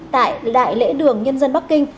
tại đại lễ đường nhân dân bắc kinh